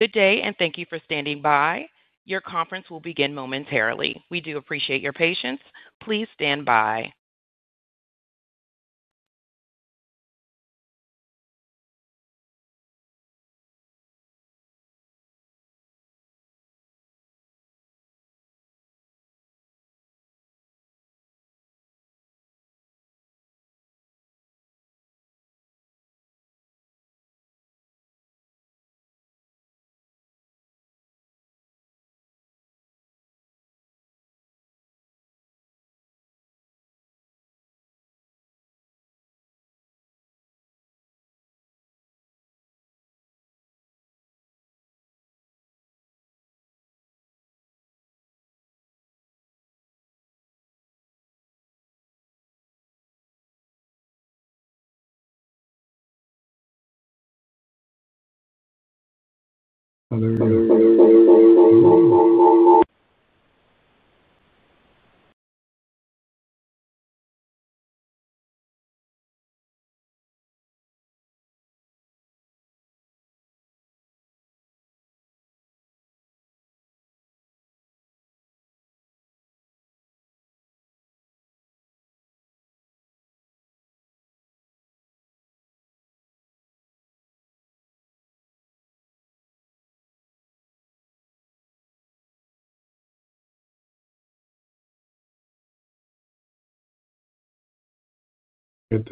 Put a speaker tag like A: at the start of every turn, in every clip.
A: Good day, and thank you for standing by. Your conference will begin momentarily. We do appreciate your patience. Please stand by.
B: Do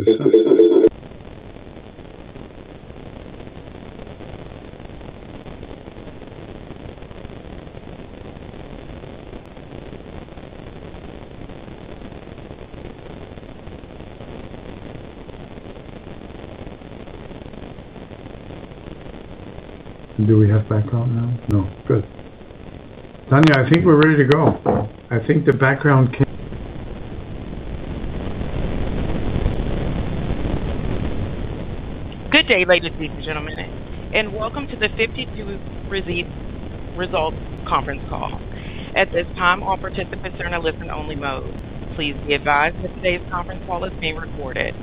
B: we have background now? No, good. Tanya, I think we're ready to go. I think the background came.
A: Good day, ladies and gentlemen, and welcome to the 52-Week Release Resolved Conference Call. At this time, all participants are in a listen-only mode. Please be advised that today's conference call is being recorded.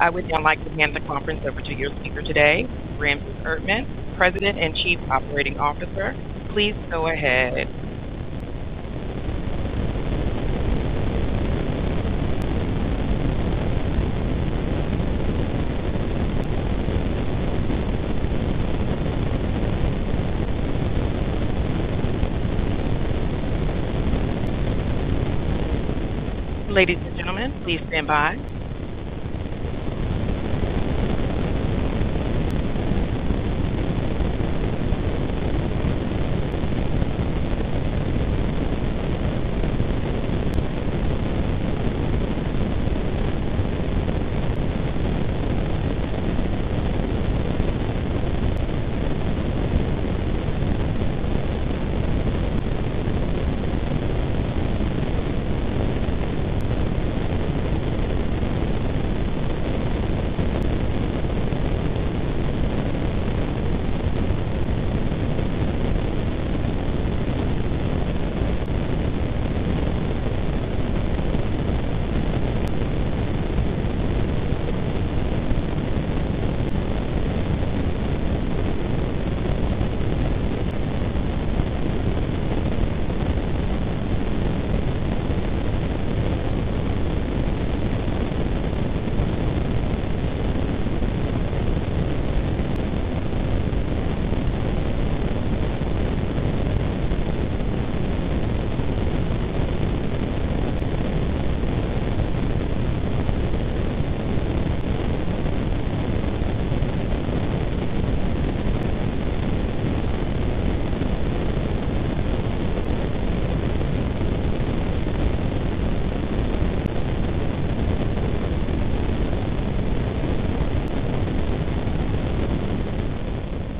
A: I would now like to hand the conference over to your speaker today, Ramses Erdtmann, President and Chief Operating Officer. Please go ahead. Ladies and gentlemen, please stand by.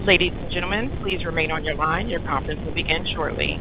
A: Ladies and gentlemen, please remain on your line. Your conference will begin shortly.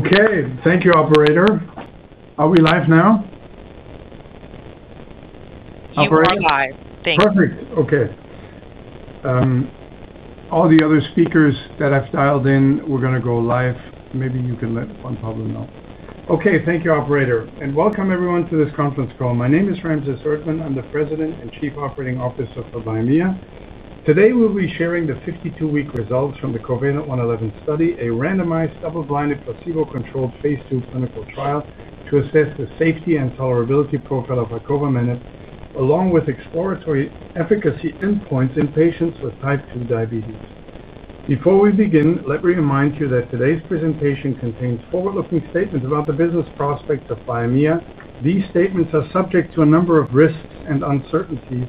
B: Okay, thank you, operator. Are we live now?
A: Yes, we're live. Thank you.
B: Perfect. Okay. All the other speakers that I've dialed in, we're going to go live. Maybe you can let Juan Pablo know. Thank you, operator. Welcome, everyone, to this conference call. My name is Ramses Erdtmann. I'm the President and Chief Operating Officer for Biomea. Today, we'll be sharing the 52-week results from the COVALENT-111 study, a randomized, double-blinded, placebo-controlled phase 2 clinical trial to assess the safety and tolerability profile of icovamenib, along with exploratory efficacy endpoints in patients with type 2 diabetes. Before we begin, let me remind you that today's presentation contains forward-looking statements about the business prospects of Biomea. These statements are subject to a number of risks and uncertainties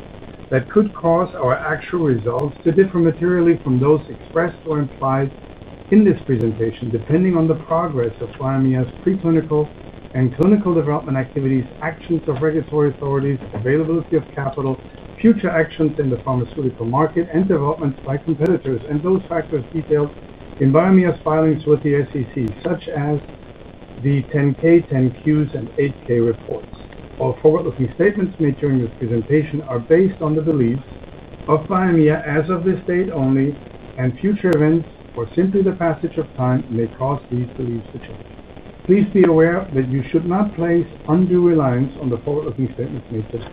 B: that could cause our actual results to differ materially from those expressed or implied in this presentation, depending on the progress of Biomea's preclinical and clinical development activities, actions of regulatory authorities, availability of capital, future actions in the phArm aceutical market, and developments by competitors, and those factors detailed in Biomea's filings with the SEC, such as the 10-K, 10-Qs, and 8-K reports. All forward-looking statements made during this presentation are based on the beliefs of Biomea as of this date only, and future events or simply the passage of time may cause these beliefs to change. Please be aware that you should not place undue reliance on the forward-looking statements made today.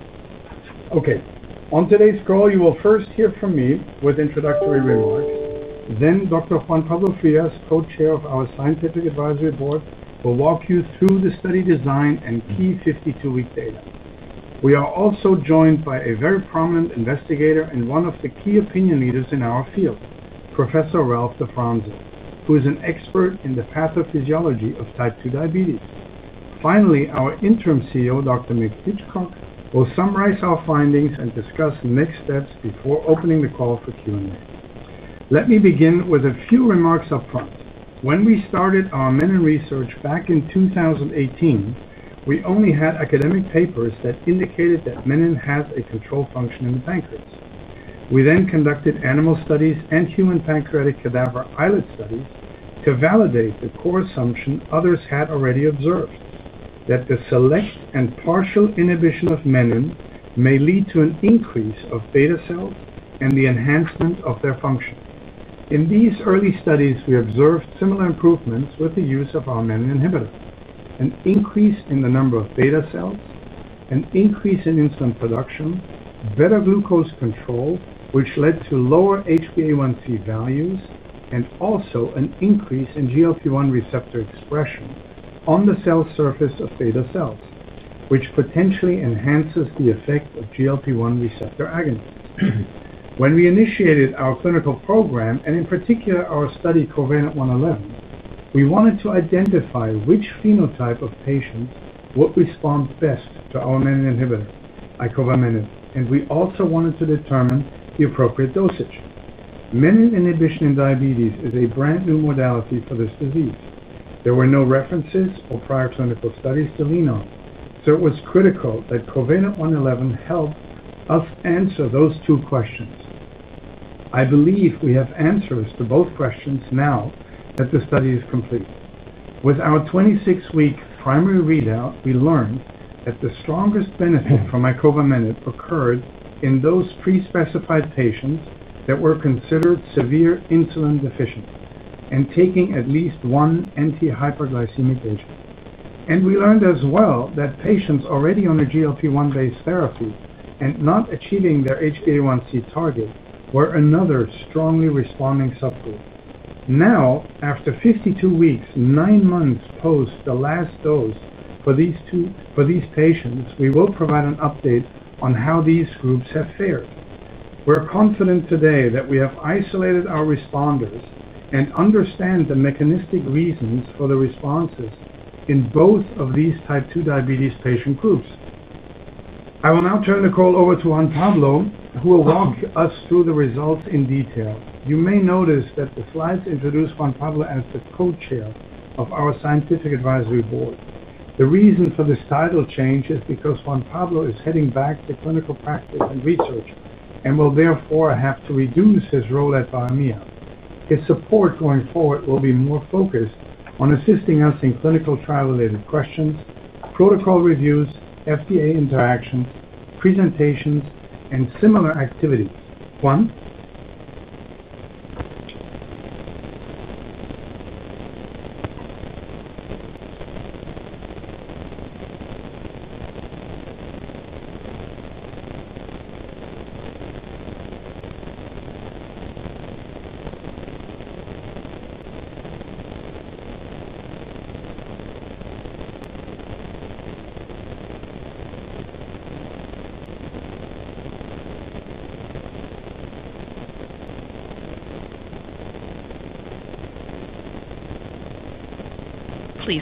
B: On today's call, you will first hear from me with introductory remarks. Dr.Juan Pablo Frías, Co-Chair of our Scientific Advisory Board, will walk you through the study design and key 52-week data. We are also joined by a very prominent investigator and one of the key opinion leaders in our field, Professor Ralph DeFronzo, who is an expert in the pathophysiology of type 2 diabetes. Finally, our Interim CEO, Dr. Mitch Hitchcock, will summarize our findings and discuss next steps before opening the call for Q&A. Let me begin with a few remarks upfront. When we started our menin research back in 2018, we only had academic papers that indicated that menin had a control function in pancreas. We then conducted animal studies and human pancreatic cadaver islet studies to validate the core assumption others had already observed, that the select and partial inhibition of menin may lead to an increase of beta cells and the enhancement of their function. In these early studies, we observed similar improvements with the use of our menin inhibitor, an increase in the number of beta cells, an increase in insulin production, better glucose control, which led to lower HbA1c values, and also an increase in GLP-1 receptor expression on the cell surface of beta cells, which potentially enhances the effect of GLP-1 receptor agent. When we initiated our clinical program, and in particular our study COVALENT-111, we wanted to identify which phenotype of patients would respond best to our menin inhibitor, icovamenib, and we also wanted to determine the appropriate dosage. Menin inhibition in diabetes is a brand-new modality for this disease. There were no references or prior clinical studies to lean on, so it was critical that COVALENT-111 helped us answer those two questions. I believe we have answers to both questions now that the study is complete. With our 26-week primary readout, we learned that the strongest benefit from icovamenib occurred in those pre-specified patients that were considered severe insulin-deficient and taking at least one anti-hyperglycemic agent. We learned as well that patients already on a GLP-1-based therapy and not achieving their HbA1c target were another strongly responding subgroup. Now, after 52 weeks, nine months post the last dose for these patients, we will provide an update on how these groups have fared. We're confident today that we have isolated our responders and understand the mechanistic reasons for the responses in both of these type 2 diabetes patient groups. I will now turn the call over to Juan Pablo, who will walk us through the results in detail. You may notice that the slides introduce Juan Pablo as the Co-Chair of our Scientific Advisory Board. The reason for this title change is because Juan Pablo is heading back to clinical practice and research and will therefore have to reduce his role at Biomea. His support going forward will be more focused on assisting us in clinical trial-related questions, protocol reviews, FDA interactions, presentations, and similar activities. Juan?
A: Please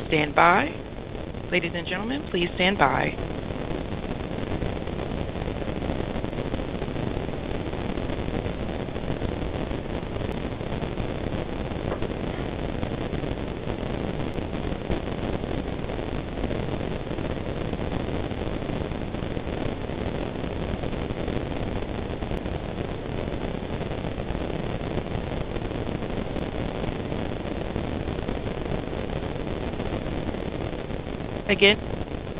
A: stand by. Ladies and gentlemen, please stand by. Again,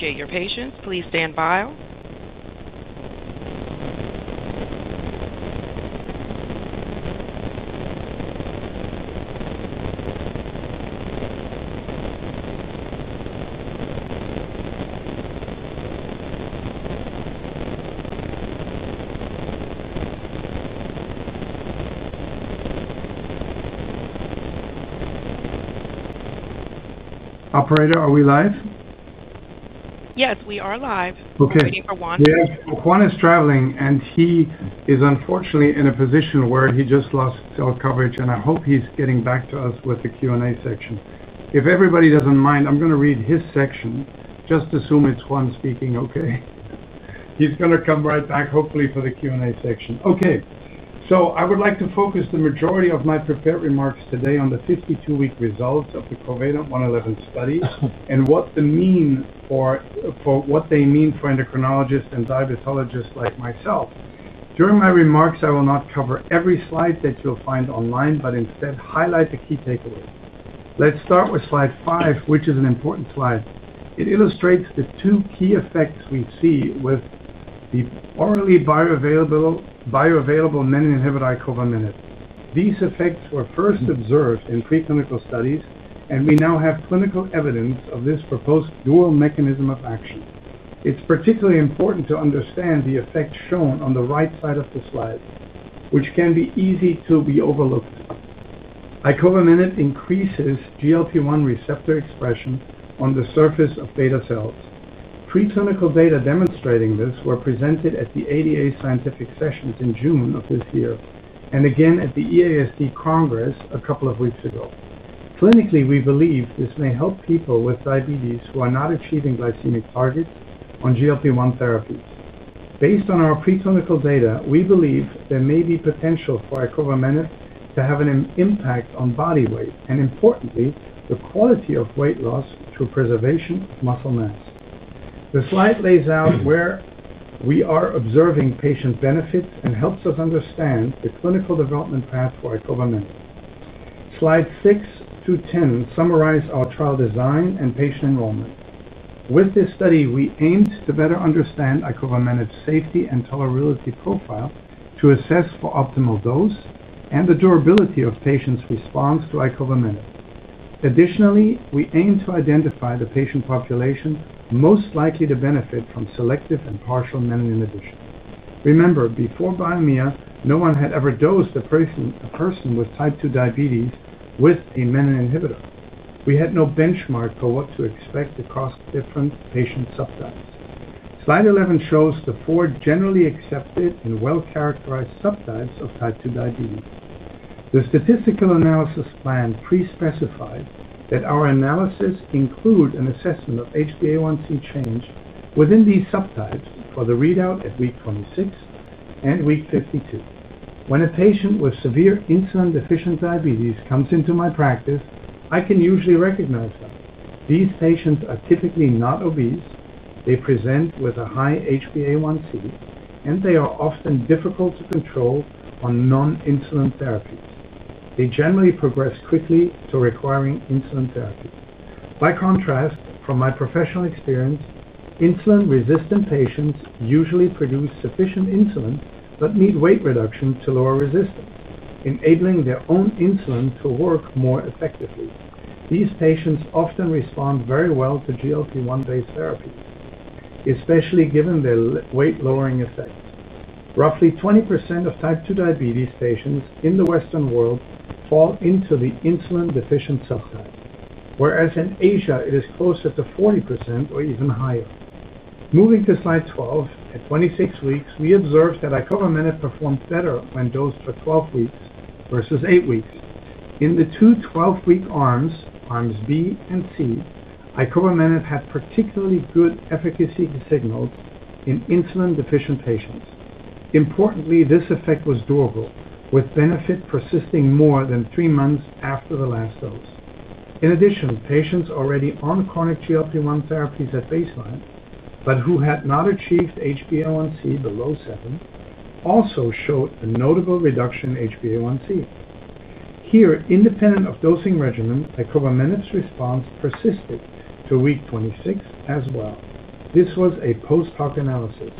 A: your patience. Please stand by.
B: Operator, are we live?
A: Yes, we are live.
B: Okay.
A: Thank you for watching.
B: Juan is traveling, and he is unfortunately in a position where he just lost cell coverage, and I hope he's getting back to us with the Q&A section. If everybody doesn't mind, I'm going to read his section. Just assume it's Juan speaking, okay? He's going to come right back, hopefully, for the Q&A section. I would like to focus the majority of my prepared remarks today on the 52-week results of the COVALENT-111 study and what they mean for endocrinologists and diabetologists like myself. During my remarks, I will not cover every slide that you'll find online, but instead highlight the key takeaways. Let's start with slide five, which is an important slide. It illustrates the two key effects we see with the orally bioavailable menin inhibitor, icovamenib. These effects were first observed in preclinical studies, and we now have clinical evidence of this proposed dual mechanism of action. It's particularly important to understand the effect shown on the right side of the slide, which can be easy to be overlooked. Icovamenib increases GLP-1 receptor expression on the surface of beta cells. Preclinical data demonstrating this were presented at the ADA scientific sessions in June of this year and again at the EASD Congress a couple of weeks ago. Clinically, we believe this may help people with diabetes who are not achieving glycemic targets on GLP-1 therapy. Based on our preclinical data, we believe there may be potential for icovamenib to have an impact on body weight and, importantly, the quality of weight loss through preservation of muscle mass. The slide lays out where we are observing patient benefits and helps us understand the clinical development path for icovamenib. Slides 6-10 summarize our trial design and patient enrollment. With this study, we aimed to better understand icovamenib's safety and tolerability profile to assess for optimal dose and the durability of patients' response to icovamenib. Additionally, we aimed to identify the patient population most likely to benefit from selective and partial menin inhibition. Remember, before Biomea, no one had ever dosed a person with type 2 diabetes with a menin inhibitor. We had no benchmark for what to expect across different patient subtypes. Slide 11 shows the four generally accepted and well-characterized subtypes of type 2 diabetes. The statistical analysis plan pre-specified that our analysis includes an assessment of HbA1c change within these subtypes for the readout at week 26 and week 52. When a patient with severe insulin-deficient diabetes comes into my practice, I can usually recognize them. These patients are typically not obese. They present with a high HbA1c, and they are often difficult to control on non-insulin therapies. They generally progress quickly to requiring insulin therapy. By contrast, from my professional experience, insulin-resistant patients usually produce sufficient insulin but need weight reduction to lower resistance, enabling their own insulin to work more effectively. These patients often respond very well to GLP-1-based therapy, especially given their weight-lowering effects. Roughly 20% of type 2 diabetes patients in the Western world fall into the insulin-deficient subtype, whereas in Asia, it is closer to 40% or even higher. Moving to slide 12, at 26 weeks, we observed that icovamenib performed better when dosed for 12 weeks versus 8 weeks. In the two 12-week Arms, Arms B and C, icovamenib had particularly good efficacy signals in insulin-deficient patients. Importantly, this effect was durable, with benefit persisting more than three months after the last dose. In addition, patients already on chronic GLP-1 therapies at baseline, but who had not achieved HbA1c below 7%, also showed a notable reduction in HbA1c. Here, independent of dosing regimen, icovamenib's response persisted to week 26 as well. This was a post-hoc analysis.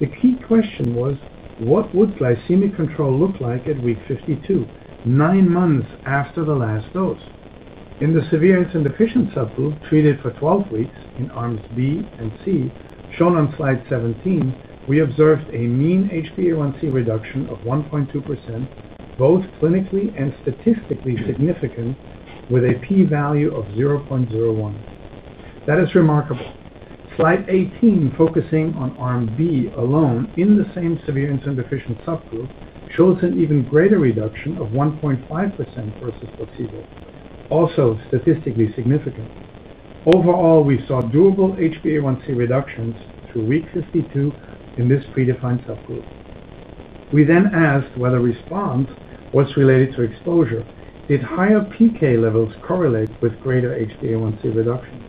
B: The key question was, what would glycemic control look like at week 52, nine months after the last dose? In the severe insulin-deficient subgroup treated for 12 weeks in Arms B and C, shown on slide 17, we observed a mean HbA1c reduction of 1.2%, both clinically and statistically significant, with a p-value of 0.01. That is remarkable. Slide 18, focusing on Arm B alone in the same severe insulin-deficient subgroup, shows an even greater reduction of 1.5% versus placebo, also statistically significant. Overall, we saw durable HbA1c reductions to week 52 in this predefined subgroup. We then asked whether response was related to exposure. Did higher PK levels correlate with greater HbA1c reduction?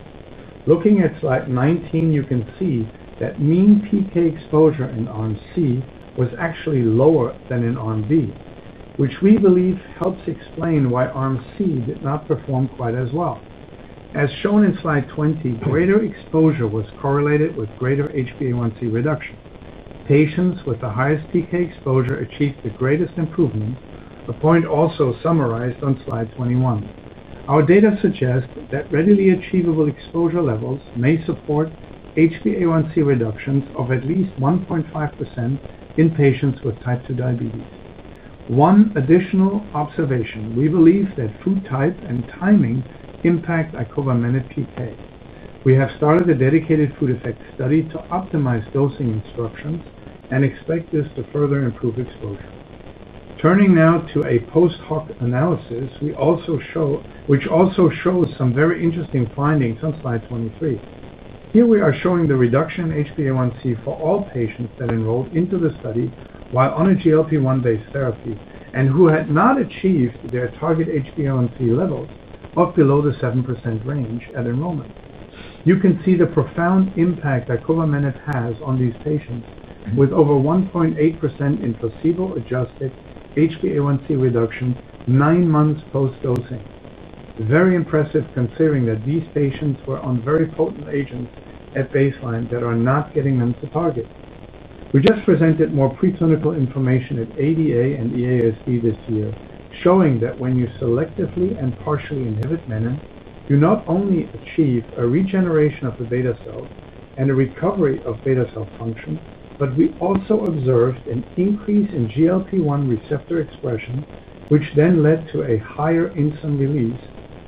B: Looking at slide 19, you can see that mean PK exposure in Arm C was actually lower than in Arm B, which we believe helps explain why Arm C did not perform quite as well. As shown in slide 20, greater exposure was correlated with greater HbA1c reduction. Patients with the highest PK exposure achieved the greatest improvement, a point also summarized on slide 21. Our data suggests that readily achievable exposure levels may support HbA1c reductions of at least 1.5% in patients with type 2 diabetes. One additional observation, we believe that food type and timing impact icovamenib PK. We have started a dedicated food effect study to optimize dosing instructions and expect this to further improve exposure. Turning now to a post-hoc analysis, which also shows some very interesting findings on slide 23. Here we are showing the reduction in HbA1c for all patients that enrolled into the study while on a GLP-1-based therapy and who had not achieved their target HbA1c level of the low to 7% range at enrollment. You can see the profound impact icovamenib has on these patients, with over 1.8% in placebo-adjusted HbA1c reduction nine months post-dosing. Very impressive considering that these patients were on very potent agents at baseline that are not getting them to target. We just presented more preclinical information at ADA and EASD this year, showing that when you selectively and partially inhibit menin, you not only achieve a regeneration of the beta cells and a recovery of beta cell function, but we also observed an increase in GLP-1 receptor expression, which then led to a higher insulin release,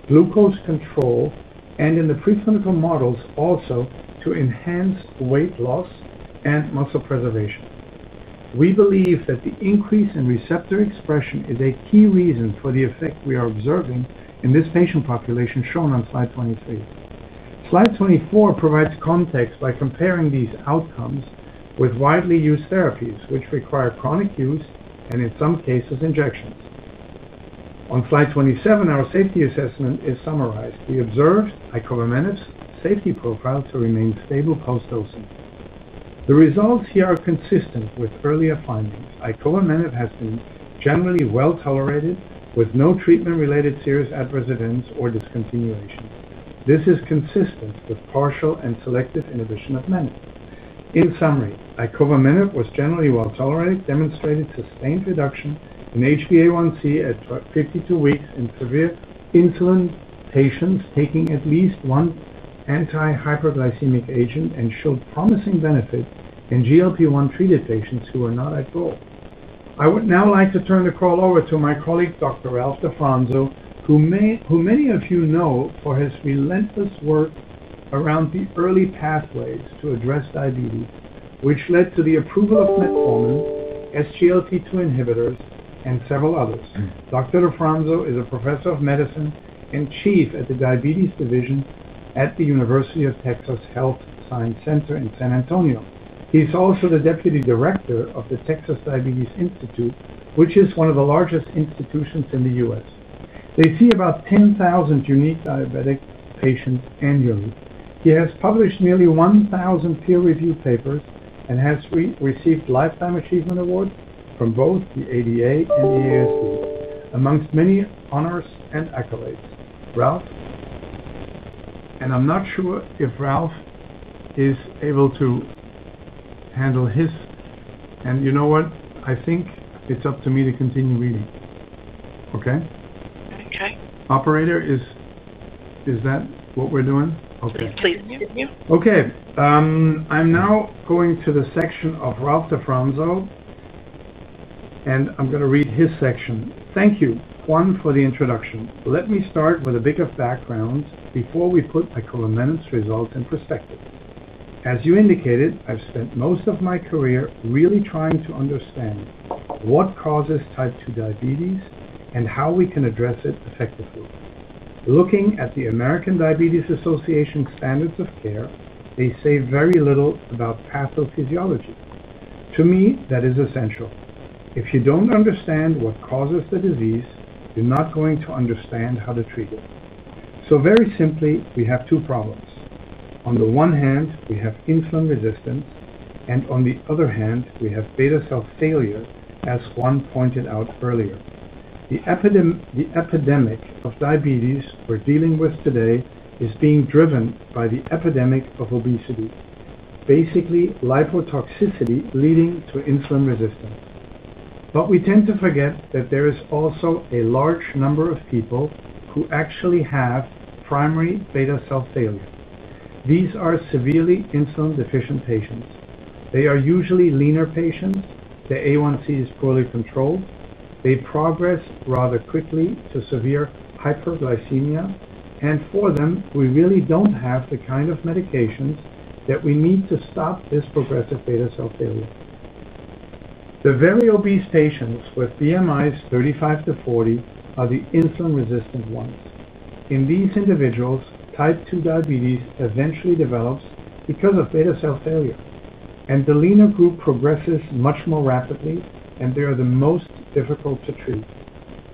B: glucose control, and in the preclinical models also to enhanced weight loss and muscle preservation. We believe that the increase in receptor expression is a key reason for the effect we are observing in this patient population, shown on slide 23. Slide 24 provides context by comparing these outcomes with widely used therapies, which require chronic use and, in some cases, injections. On slide 27, our safety assessment is summarized. We observed icovamenib's safety profile to remain stable post-dosing. The results here are consistent with earlier findings. Icovamenib has been generally well tolerated with no treatment-related serious adverse events or discontinuation. This is consistent with partial and selective inhibition of menin. In summary, icovamenib was generally well tolerated, demonstrated sustained reduction in HbA1c at 52 weeks in severe insulin patients taking at least one anti-hyperglycemic agent and showed promising benefit in GLP-1 treated patients who were not at goal. I would now like to turn the call over to my colleague, Professor Ralph DeFronzo, who many of you know for his relentless work around the early pathways to address diabetes, which led to the approval of metformin, SGLT2 inhibitors, and several others. Dr. Professor Ralph DeFronzo is a Professor of Medicine and Chief at the Diabetes Division at the University of Texas Health Science Center in San Antonio. He's also the Deputy Director of the Texas Diabetes Institute, which is one of the largest institutions in the U.S. They see about 10,000 unique diabetic patients annually. He has published nearly 1,000 peer-reviewed papers and has received Lifetime Achievement Award from both the ADA and EASD, amongst many honors and accolades. Ralph? I'm not sure if Ralph is able to handle his. I think it's up to me to continue reading. Okay?
A: Okay.
B: Operator, is that what we're doing? Okay.
A: Yes, please.
B: Okay. I'm now going to the section of Ralph DeFronzo, and I'm going to read his section. Thank you, Juan, for the introduction. Let me start with a bit of background before we put icovamenib's results in perspective. As you indicated, I've spent most of my career really trying to understand what causes type 2 diabetes and how we can address it effectively. Looking at the American Diabetes Association Standards of Care, they say very little about pathophysiology. To me, that is essential. If you don't understand what causes the disease, you're not going to understand how to treat it. Very simply, we have two problems. On the one hand, we have insulin resistance, and on the other hand, we have beta cell failure, as Juan pointed out earlier. The epidemic of diabetes we're dealing with today is being driven by the epidemic of obesity, basically lipotoxicity leading to insulin resistance. We tend to forget that there is also a large number of people who actually have primary beta cell failure. These are severely insulin-deficient patients. They are usually leaner patients. Their HbA1c is poorly controlled. They progress rather quickly to severe hyperglycemia. For them, we really don't have the kind of medications that we need to stop this progressive beta cell failure. The very obese patients with BMIs 35-40 are the insulin-resistant ones. In these individuals, type 2 diabetes eventually develops because of beta cell failure, and the leaner group progresses much more rapidly, and they are the most difficult to treat.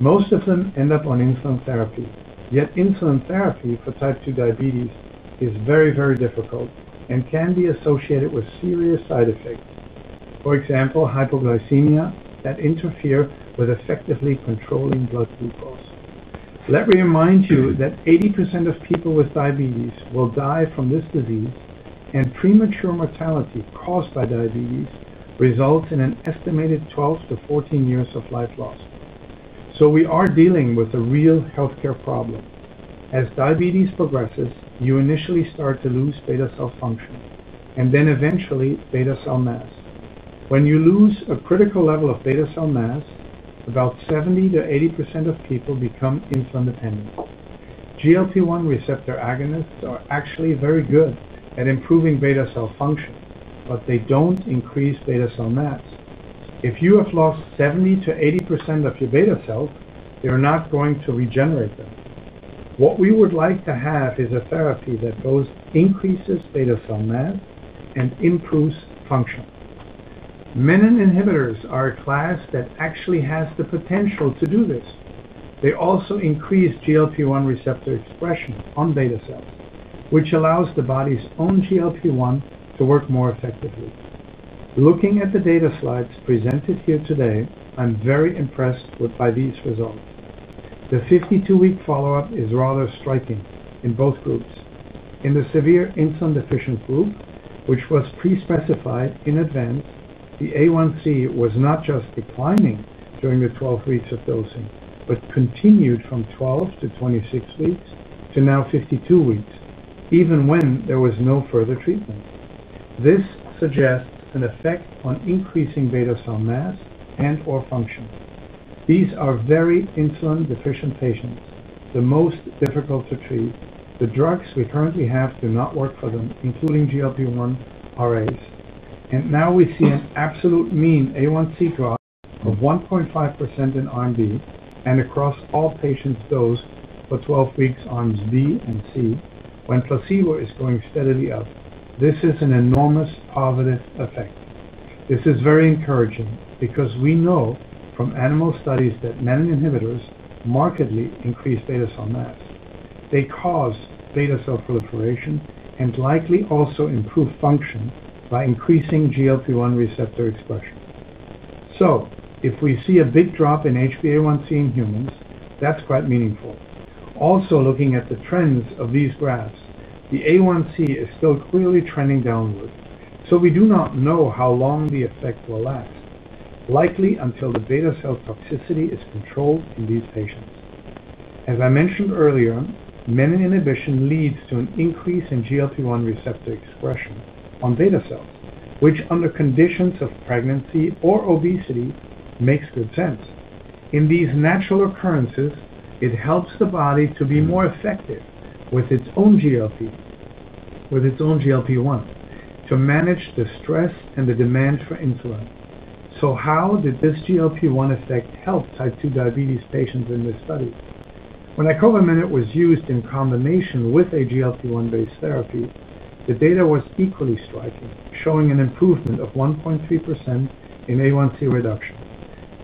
B: Most of them end up on insulin therapy. Yet insulin therapy for type 2 diabetes is very, very difficult and can be associated with serious side effects, for example, hypoglycemia that interferes with effectively controlling blood glucose. Let me remind you that 80% of people with diabetes will die from this disease, and premature mortality caused by diabetes results in an estimated 12-14 years of life loss. We are dealing with a real healthcare problem. As diabetes progresses, you initially start to lose beta cell function and then eventually beta cell mass. When you lose a critical level of beta cell mass, about 70%-80% of people become insulin-dependent. GLP-1 receptor agonists are actually very good at improving beta-cell function, but they don't increase beta-cell mass. If you have lost 70%-80% of your beta cells, they're not going to regenerate them. What we would like to have is a therapy that both increases beta cell mass and improves function. Menin inhibitors are a class that actually has the potential to do this. They also increase GLP-1 receptor expression on beta cells, which allows the body's own GLP-1 to work more effectively. Looking at the data slides presented here today, I'm very impressed by these results. The 52-week follow-up is rather striking in both groups. In the severe insulin-deficient group, which was pre-specified in advance, the A1c was not just declining during the 12 weeks of dosing, but continued from 12-26 weeks to now 52 weeks, even when there was no further treatment. This suggests an effect on increasing beta cell mass and/or function. These are very insulin-deficient patients, the most difficult to treat. The drugs we currently have do not work for them, including GLP-1 RAs. Now we see an absolute mean A1c drop of 1.5% in Arm B and across all patients dosed for 12 weeks Arms B and C when placebo is going steadily up. This is an enormous positive effect. This is very encouraging because we know from animal studies that menin inhibitors markedly increase beta cell mass. They cause beta cell proliferation and likely also improve function by increasing GLP-1 receptor expression. If we see a big drop in HbA1c in humans, that's quite meaningful. Also, looking at the trends of these graphs, the A1c is still clearly trending downward, so we do not know how long the effect will last, likely until the beta cell toxicity is controlled in these patients. As I mentioned earlier, menin inhibition leads to an increase in GLP-1 receptor expression on beta cells, which under conditions of pregnancy or obesity makes good sense. In these natural occurrences, it helps the body to be more effective with its own GLP-1 to manage the stress and the demand for insulin. How did this GLP-1 effect help type 2 diabetes patients in this study? When icovamenib was used in combination with a GLP-1-based therapy, the data was equally striking, showing an improvement of 1.3% in A1c reduction.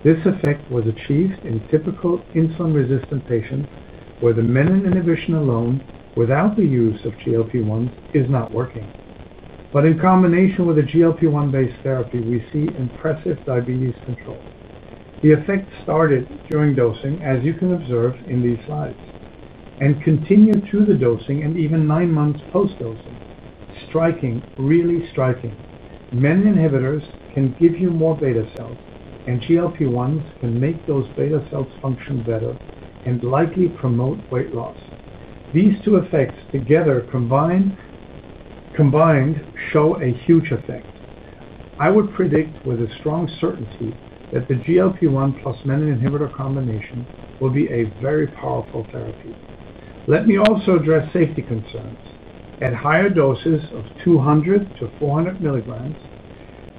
B: This effect was achieved in typical insulin-resistant patients where the menin inhibition alone, without the use of GLP-1, is not working. In combination with a GLP-1-based therapy, we see impressive diabetes control. The effect started during dosing, as you can observe in these slides, and continued through the dosing and even nine months post-dosing, striking, really striking. Menin inhibitors can give you more beta cell mass, and GLP-1 receptor agonists can make those beta cells function better and likely promote weight loss. These two effects together combined show a huge effect. I would predict with a strong certainty that the GLP-1 receptor agonist plus menin inhibitor combination will be a very powerful therapy. Let me also address safety concerns. At higher doses of 200-400 mg,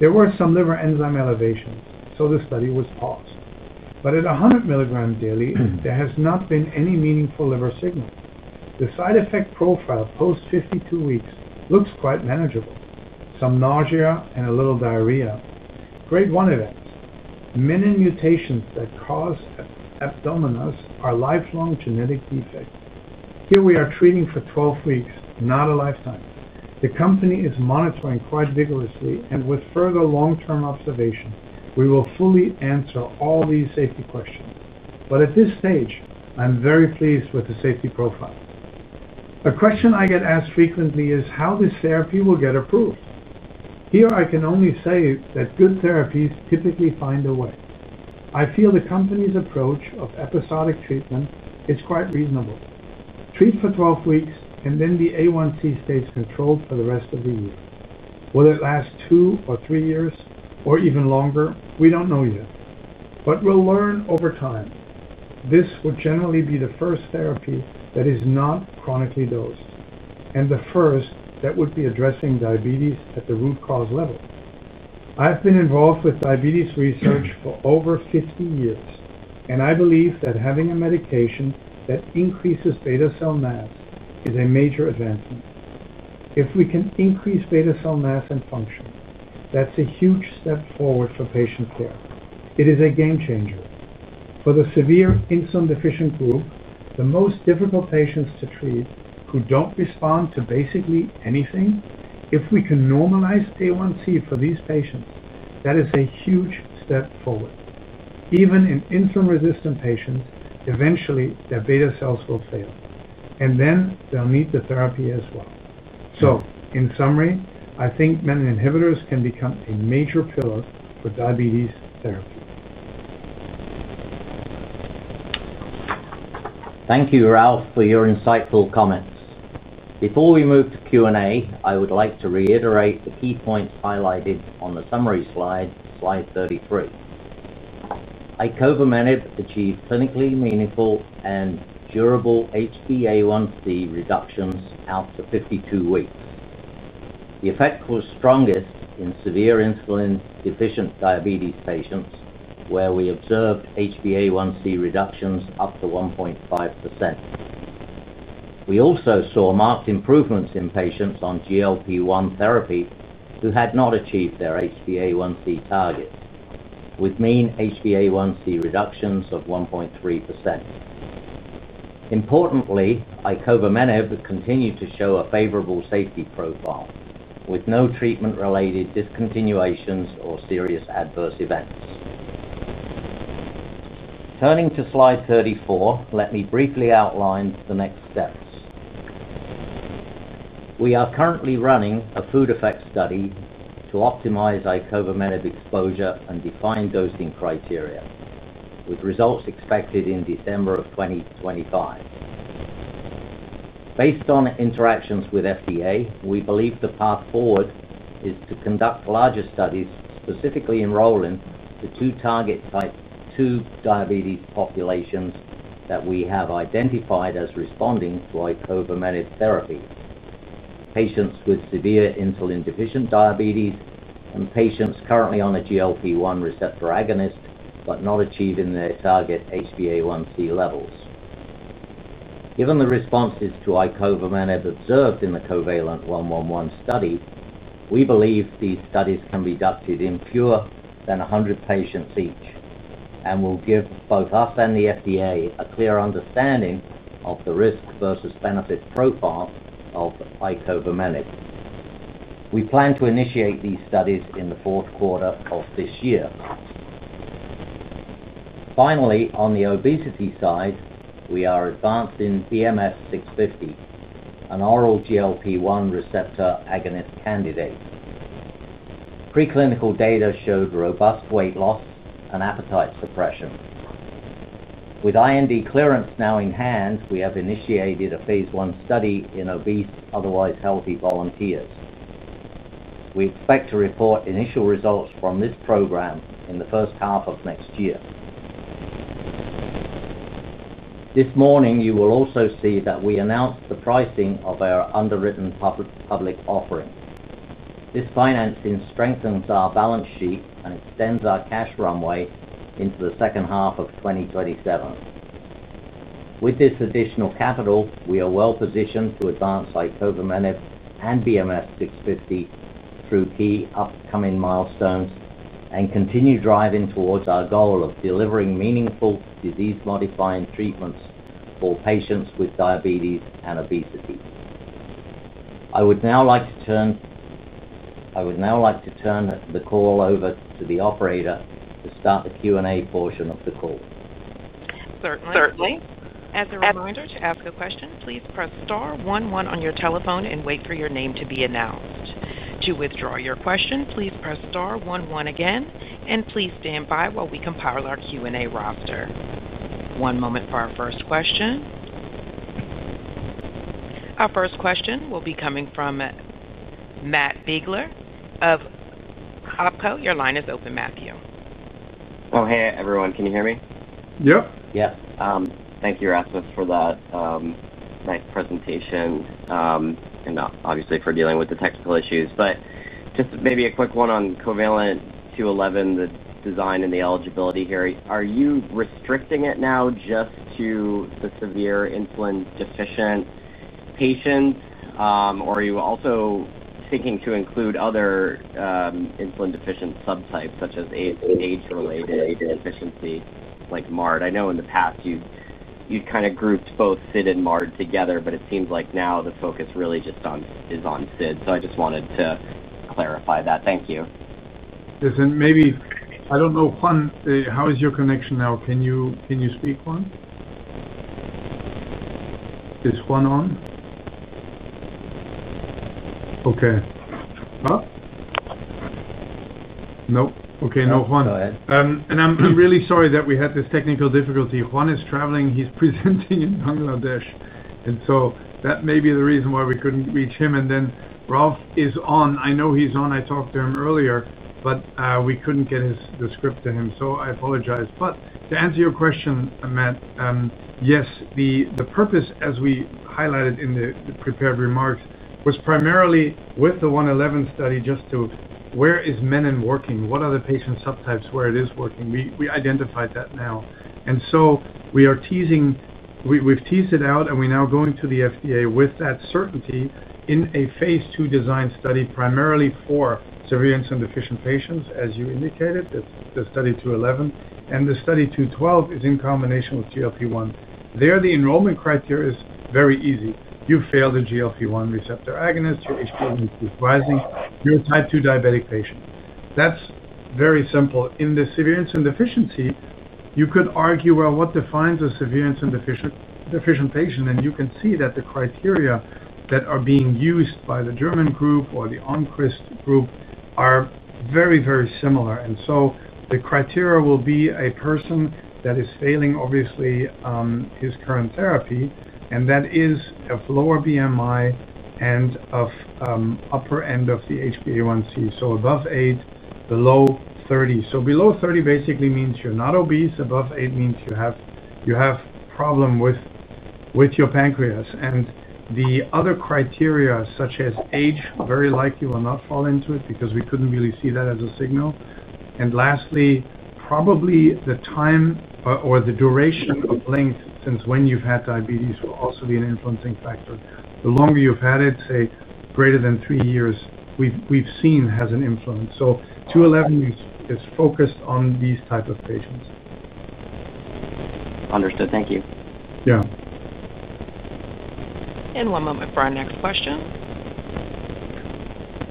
B: there were some liver enzyme elevations, so the study was paused. At 100 mg daily, there has not been any meaningful liver signal. The side effect profile post 52 weeks looks quite manageable, some nausea and a little diarrhea, grade 1 events. Menin mutations that cause abdominals are lifelong genetic defects. Here we are treating for 12 weeks, not a lifetime. The company is monitoring quite vigorously, and with further long-term observation, we will fully answer all these safety questions. At this stage, I'm very pleased with the safety profile. A question I get asked frequently is how this therapy will get approved. Here I can only say that good therapies typically find a way. I feel the company's approach of episodic treatment is quite reasonable. Treat for 12 weeks, and then the HbA1c stays controlled for the rest of the year. Will it last two or three years or even longer? We don't know yet, but we'll learn over time. This would generally be the first therapy that is not chronically dosed and the first that would be addressing type 2 diabetes at the root cause level. I've been involved with diabetes research for over 50 years, and I believe that having a medication that increases beta cell mass is a major advancement. If we can increase beta cell mass and function, that's a huge step forward for patient care. It is a game-changer. For the severe insulin-deficient group, the most difficult patients to treat who don't respond to basically anything, if we can normalize HbA1c for these patients, that is a huge step forward. Even in insulin-resistant patients, eventually their beta cells will fail, and then they'll need the therapy as well. In summary, I think menin inhibitors can become a major pillar for diabetes therapy.
C: Thank you, Ralph, for your insightful comments. Before we move to Q&A, I would like to reiterate the key points highlighted on the summary slide, slide 33. Icovamenib achieved clinically meaningful and durable HbA1c reductions out to 52 weeks. The effect was strongest in severe insulin-deficient diabetes patients, where we observed HbA1c reductions up to 1.5%. We also saw marked improvements in patients on GLP-1 therapy who had not achieved their HbA1c target, with mean HbA1c reductions of 1.3%. Importantly, icovamenib continued to show a favorable safety profile with no treatment-related discontinuations or serious adverse events. Turning to slide 34, let me briefly outline the next steps. We are currently running a food effect study to optimize icovamenib exposure and define dosing criteria, with results expected in December of 2025. Based on interactions with FDA, we believe the path forward is to conduct larger studies, specifically enrolling the two target type 2 diabetes populations that we have identified as responding to icovamenib therapy: patients with severe insulin-deficient diabetes and patients currently on a GLP-1 receptor agonist but not achieving their target HbA1c levels. Given the responses to icovamenib observed in the COVALENT-111 study, we believe these studies can be conducted in fewer than 100 patients each and will give both us and the FDA a clear understanding of the risk versus benefit profile of icovamenib. We plan to initiate these studies in the fourth quarter of this year. Finally, on the obesity side, we are advanced in BMF-650, an oral GLP-1 receptor agonist candidate. Preclinical data showed robust weight loss and appetite suppression. With IND clearance now in hand, we have initiated a phase 1 study in obese, otherwise healthy volunteers. We expect to report initial results from this program in the first half of next year. This morning, you will also see that we announced the pricing of our underwritten public offering. This financing strengthens our balance sheet and extends our cash runway into the second half of 2027. With this additional capital, we are well positioned to advance icovamenib and BMF-650 through key upcoming milestones and continue driving towards our goal of delivering meaningful disease-modifying treatments for patients with diabetes and obesity. I would now like to turn the call over to the operator to start the Q&A portion of the call.
A: Certainly. As a reminder to ask a question, please press star one one on your telephone and wait for your name to be announced. To withdraw your question, please press star one one again, and please stand by while we compile our Q&A roster. One moment for our first question. Our first question will be coming from Matt Biegler of Opco. Your line is open, Matthew.
D: Hey, everyone. Can you hear me?
B: Yep.
D: Thank you, Ramses, for that nice presentation, and obviously for dealing with the technical issues. Just maybe a quick one on COVALENT-211, the design and the eligibility here. Are you restricting it now just to the severe insulin-deficient patients, or are you also thinking to include other insulin-deficient subtypes, such as age-related insulin deficiency like MARD? I know in the past you kind of grouped both SIDD and MARD together, but it seems like now the focus really just is on SIDD. I just wanted to clarify that. Thank you.
B: Yes. I don't know, Juan, how is your connection now? Can you speak, Juan? Is Juan on? Okay. Nope. No, Juan.
D: Go ahead.
B: I'm really sorry that we had this technical difficulty. Juan is traveling. He's presenting in Bangladesh, and that may be the reason why we couldn't reach him. Ralph is on. I know he's on. I talked to him earlier, but we couldn't get the script to him. I apologize. To answer your question, Matt, yes, the purpose, as we highlighted in the prepared remarks, was primarily with the 111 study just to see where is menin working, what are the patient subtypes where it is working. We identified that now. We are teasing, we've teased it out, and we're now going to the FDA with that certainty in a phase 2 design study primarily for severe insulin-deficient patients, as you indicated, the study 211. The study 212 is in combination with GLP-1. There, the enrollment criteria is very easy. You failed a GLP-1 receptor agonist, your HbA1c is rising, you're a type 2 diabetic patient. That's very simple. In the severe insulin deficiency, you could argue, what defines a severe insulin-deficient patient? You can see that the criteria that are being used by the German group or the Oncrist group are very, very similar. The criteria will be a person that is failing, obviously, his current therapy, and that is of lower BMI and of upper end of the HbA1c. Above 8, below 30. Below 30 basically means you're not obese. Above 8 means you have a problem with your pancreas. The other criteria, such as age, very likely will not fall into it because we couldn't really see that as a signal. Lastly, probably the time or the duration of length since when you've had diabetes will also be an influencing factor. The longer you've had it, say, greater than three years, we've seen has an influence. 211 is focused on these types of patients.
D: Understood. Thank you.
B: Yeah.
A: One moment for our next question.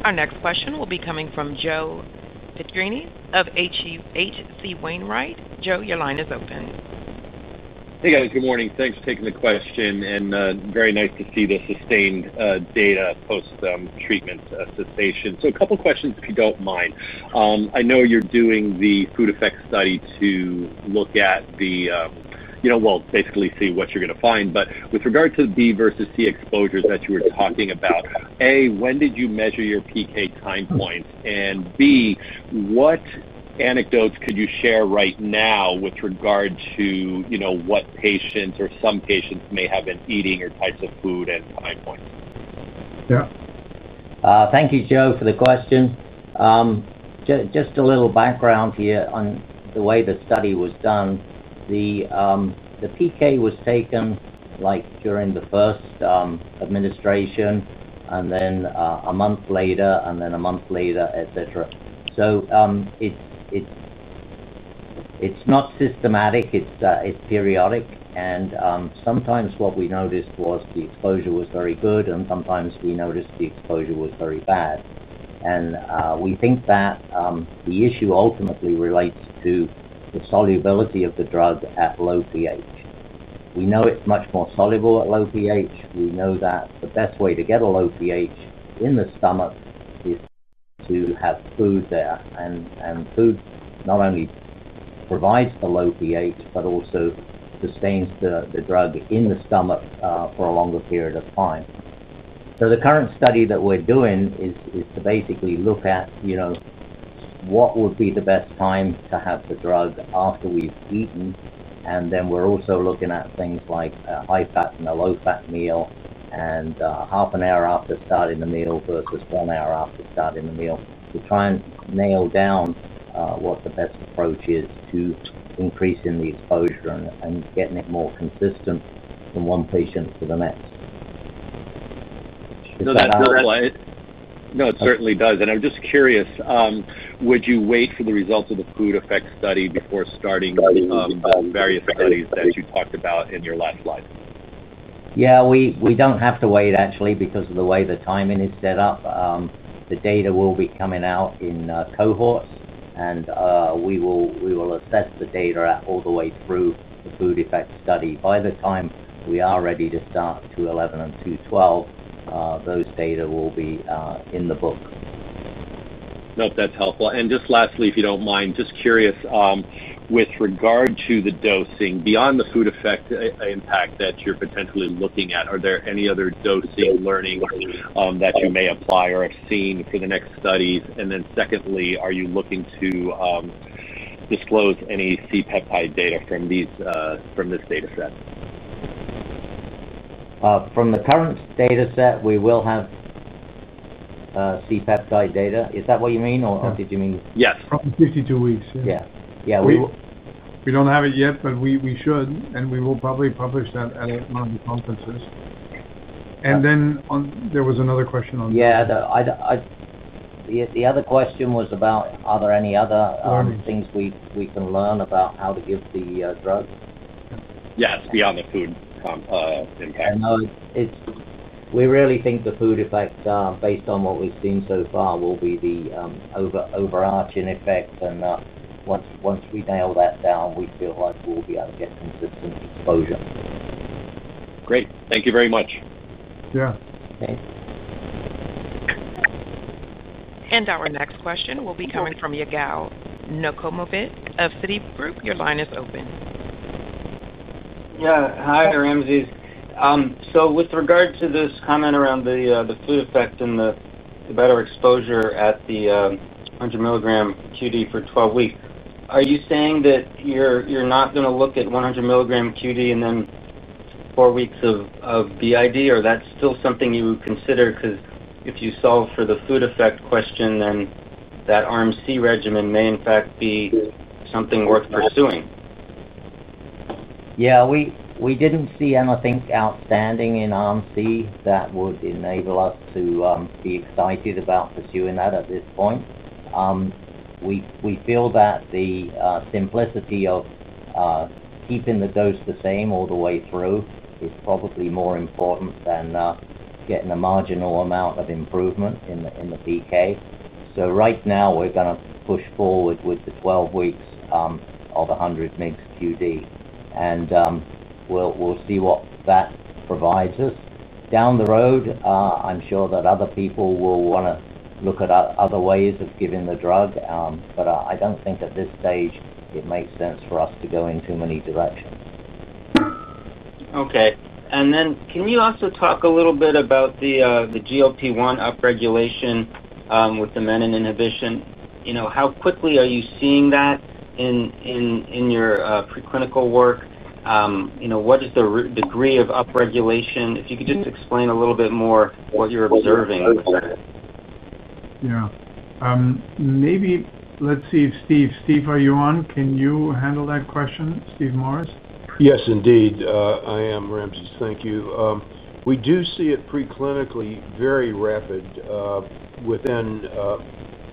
A: Our next question will be coming from Joe Pantginis of H.C. Wainwright. Joe, your line is open.
E: Good morning. Thanks for taking the question. Very nice to see the sustained data post-treatment cessation. A couple of questions, if you don't mind. I know you're doing the food effects study to look at the, basically see what you're going to find. With regard to the B versus C exposures that you were talking about, A, when did you measure your pK time points? B, what anecdotes could you share right now with regard to what patients or some patients may have been eating or types of food at time points?
B: Yeah.
C: Thank you, Joe, for the question. Just a little background here on the way the study was done. The PK was taken during the first administration and then a month later and then a month later, etc. It's not systematic. It's periodic. Sometimes what we noticed was the exposure was very good, and sometimes we noticed the exposure was very bad. We think that the issue ultimately relates to the solubility of the drug at low pH. We know it's much more soluble at low pH. We know that the best way to get a low pH in the stomach is to have food there. Food not only provides the low pH but also sustains the drug in the stomach for a longer period of time. The current study that we're doing is to basically look at what would be the best time to have the drug after we've eaten. We're also looking at things like a high-fat and a low-fat meal and half an hour after starting the meal versus one hour after starting the meal to try and nail down what the best approach is to increasing the exposure and getting it more consistent from one patient to the next.
E: Does that help? No, it certainly does. I'm just curious, would you wait for the results of the food effects study before starting the various studies that you talked about in your last slide?
C: Yeah, we don't have to wait, actually, because of the way the timing is set up. The data will be coming out in cohort, and we will assess the data all the way through the food effect study. By the time we are ready to start 211 and 212, those data will be in the book.
E: Nope, that's helpful. Just lastly, if you don't mind, just curious, with regard to the dosing, beyond the food effect impact that you're potentially looking at, are there any other dosing learning that you may apply or have seen for the next studies? Secondly, are you looking to disclose any C-peptide data from this dataset?
C: From the current dataset, we will have C-peptide data. Is that what you mean, or did you mean?
E: Yes.
B: 52 weeks, yeah.
C: Yeah. Yeah.
B: We don't have it yet, but we should, and we will probably publish that at one of the conferences. There was another question on.
C: Yeah. The other question was about, are there any other things we can learn about how to give the drug?
E: Yes, beyond the food impact.
C: No, we really think the food effect, based on what we've seen so far, will be the overarching effect. Once we nail that down, we feel like we'll be able to get consistent exposure.
E: Great. Thank you very much.
B: Yeah.
C: Okay.
A: Our next question will be coming from Yigal Nochomovitz of Citigroup. Your line is open.
F: Hi, Ramses. With regard to this comment around the food effect and the better exposure at the 100 mg QD for 12 weeks, are you saying that you're not going to look at 100 mg QD and then four weeks of BID, or that's still something you would consider? If you solve for the food effect question, that Arm C regimen may, in fact, be something worth pursuing.
C: Yeah. We didn't see anything outstanding in Arm C that would enable us to be excited about pursuing that at this point. We feel that the simplicity of keeping the dose the same all the way through is probably more important than getting a marginal amount of improvement in the pK. Right now, we're going to push forward with the 12 weeks of 100 mg QD, and we'll see what that provides us. Down the road, I'm sure that other people will want to look at other ways of giving the drug, but I don't think at this stage it makes sense for us to go in too many directions.
F: Okay. Can you also talk a little bit about the GLP-1 upregulation with the menin inhibition? How quickly are you seeing that in your preclinical work? What is the degree of upregulation? If you could just explain a little bit more what you're observing with that.
B: Yeah. Maybe let's see if Steve, are you on? Can you handle that question, Steve Morris?
G: Yes, indeed. I am, Ramses. Thank you. We do see it preclinically very rapid within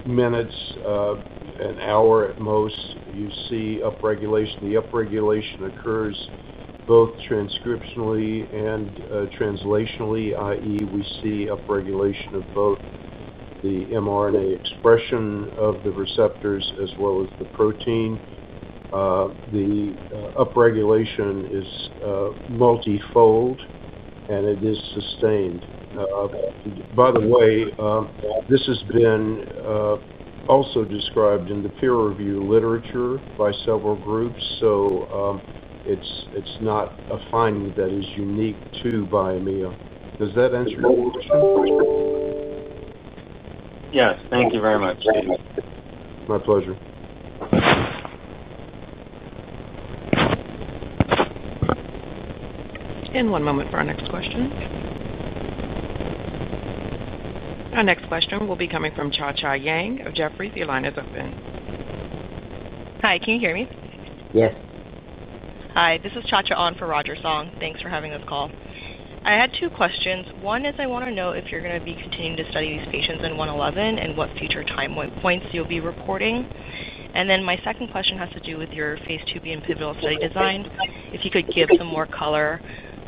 G: minutes, an hour at most. You see up-regulation. The up-regulation occurs both transcriptionally and translationally, i.e., we see up-regulation of both the mRNA expression of the receptors as well as the protein. The up-regulation is multifold, and it is sustained. By the way, this has been also described in the peer review literature by several groups. It is not a finding that is unique to Biomea. Does that answer your question?
F: Yes, thank you very much, Steve.
G: My pleasure.
A: One moment for our next question. Our next question will be coming from Cha Cha Yang of Jefferies. The line is open.
H: Hi, can you hear me?
B: Yeah.
H: Hi. This is Cha Cha on for Roger Song. Thanks for having us call. I had two questions. One is I want to know if you're going to be continuing to study these patients in 111 and what future time points you'll be reporting. My second question has to do with your phase 2B and pivotal study design. If you could give some more color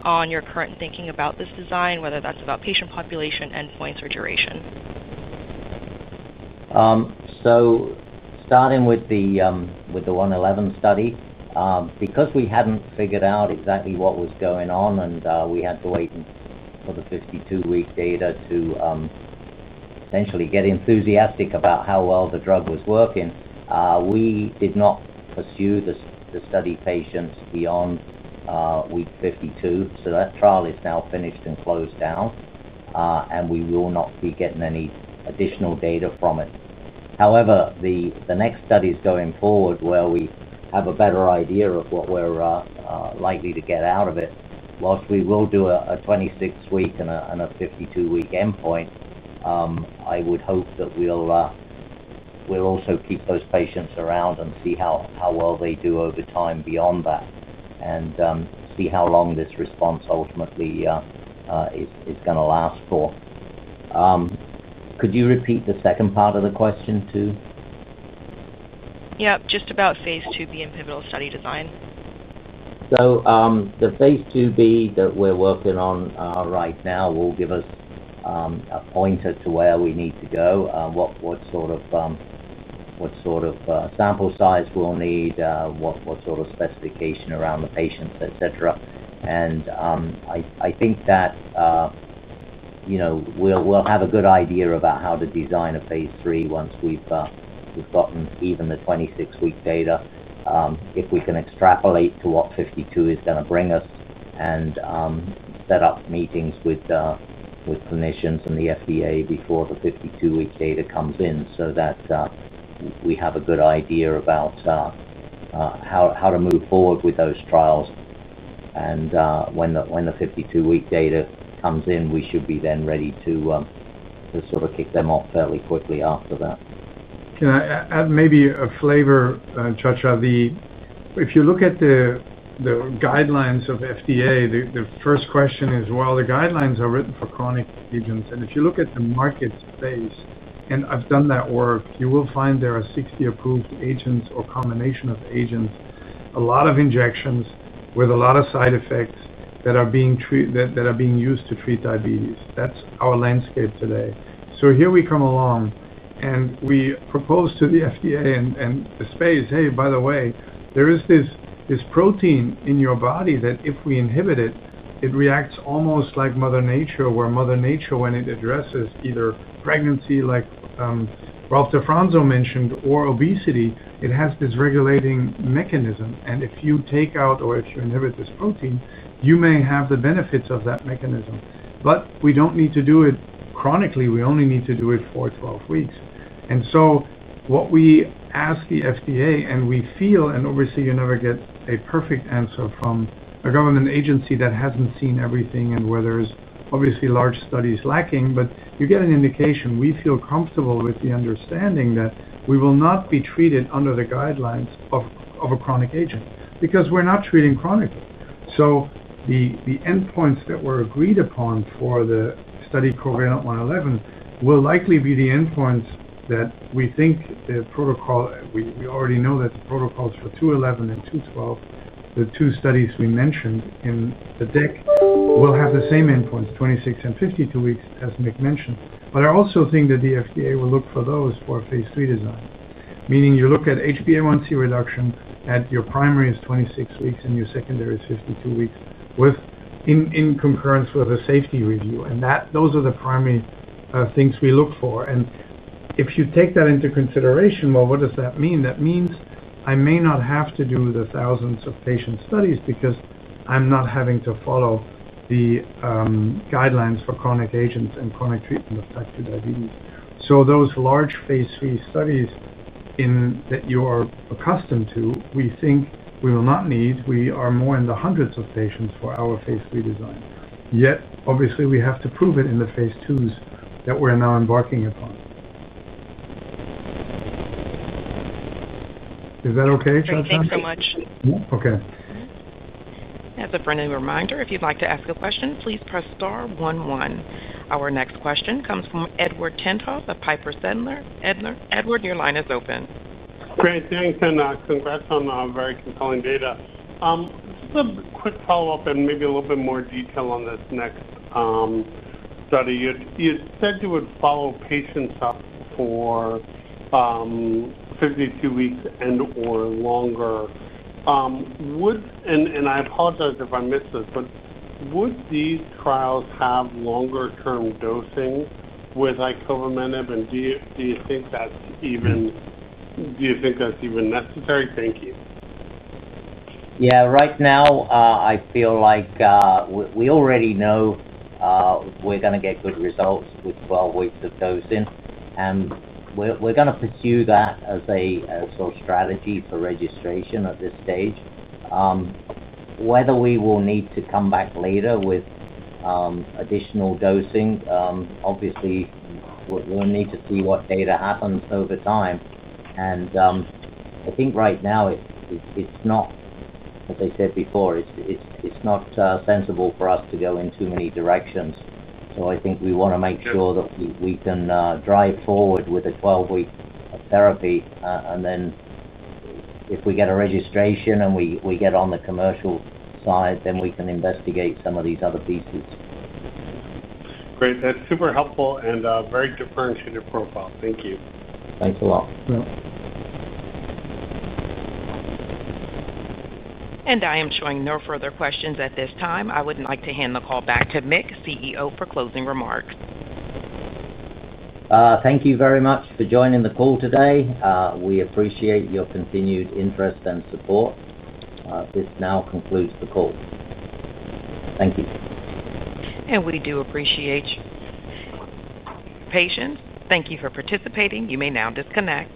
H: on your current thinking about this design, whether that's about patient population, endpoints, or duration.
C: Starting with the 111 study, because we hadn't figured out exactly what was going on and we had to wait for the 52-week data to essentially get enthusiastic about how well the drug was working, we did not pursue the study patients beyond week 52. That trial is now finished and closed down, and we will not be getting any additional data from it. However, the next studies going forward, where we have a better idea of what we're likely to get out of it, we will do a 26-week and a 52-week endpoint. I would hope that we'll also keep those patients around and see how well they do over time beyond that and see how long this response ultimately is going to last for. Could you repeat the second part of the question too?
H: Yeah, just about phase 2b and pivotal study design.
C: The phase 2B that we're working on right now will give us a pointer to where we need to go, what sort of sample size we'll need, what sort of specification around the patients, etc. I think that, you know, we'll have a good idea about how to design a phase 3 once we've gotten even the 26-week data, if we can extrapolate to what 52 is going to bring us and set up meetings with clinicians and the FDA before the 52-week data comes in so that we have a good idea about how to move forward with those trials. When the 52-week data comes in, we should be then ready to sort of kick them off fairly quickly after that.
B: Yeah. Maybe a flavor, Cha Cha, if you look at the guidelines of FDA, the first question is, the guidelines are written for chronic agents. If you look at the market space, and I've done that work, you will find there are 60 approved agents or a combination of agents, a lot of injections with a lot of side effects that are being used to treat diabetes. That's our landscape today. Here we come along, and we propose to the FDA and the space, "Hey, by the way, there is this protein in your body that if we inhibit it, it reacts almost like Mother Nature, where Mother Nature, when it addresses either pregnancy, like Ralph DeFronzo mentioned, or obesity, it has this regulating mechanism. If you take out or if you inhibit this protein, you may have the benefits of that mechanism. We don't need to do it chronically. We only need to do it for 12 weeks." What we ask the FDA, and we feel, obviously, you never get a perfect answer from a government agency that hasn't seen everything and where there's obviously large studies lacking, but you get an indication. We feel comfortable with the understanding that we will not be treated under the guidelines of a chronic agent because we're not treating chronically. The endpoints that were agreed upon for the study COVALENT-111 will likely be the endpoints that we think the protocol, we already know that the protocols for 211 and 212, the two studies we mentioned in the deck, will have the same endpoints, 26 and 52 weeks, as Mitch mentioned. I also think that the FDA will look for those for phase 3 design, meaning you look at HbA1c reduction at your primary as 26 weeks and your secondary as 52 weeks in concurrence with a safety review. Those are the primary things we look for. If you take that into consideration, what does that mean? That means I may not have to do the thousands of patient studies because I'm not having to follow the guidelines for chronic agents and chronic treatment of type 2 diabetes. Those large phase 3 studies that you are accustomed to, we think we will not need. We are more in the hundreds of patients for our phase 3 design. Yet, obviously, we have to prove it in the phase 2s that we're now embarking upon. Is that okay, Cha Cha?
H: Thank you so much.
B: Yeah. Okay.
A: As a friendly reminder, if you'd like to ask a question, please press star one one. Our next question comes from Edward Tenthoff of Piper Sandler. Edward, your line is open.
I: Great. Thanks, and, congrats on the very compelling data. Just a quick follow-up and maybe a little bit more detail on this next study. You said you would follow patients up for 52 weeks and/or longer. I apologize if I missed this, but would these trials have longer-term dosing with icovamenib? Do you think that's even necessary? Thank you.
C: Right now, I feel like we already know we're going to get good results with 12 weeks of dosing. We're going to pursue that as a sort of strategy for registration at this stage. Whether we will need to come back later with additional dosing, obviously, we'll need to see what data happens over time. I think right now, it's not, as I said before, it's not sensible for us to go in too many directions. I think we want to make sure that we can drive forward with a 12-week therapy. If we get a registration and we get on the commercial side, then we can investigate some of these other pieces.
I: Great. That's super helpful and a very differentiated profile. Thank you.
C: Thanks a lot.
A: I am showing no further questions at this time. I would like to hand the call back to Mitch, CEO, for closing remarks.
C: Thank you very much for joining the call today. We appreciate your continued interest and support. This now concludes the call. Thank you.
A: We do appreciate your patience. Thank you for participating. You may now disconnect.